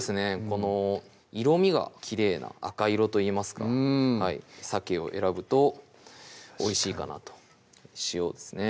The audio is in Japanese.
この色みがきれいな赤色といいますかさけを選ぶとおいしいかなと塩ですね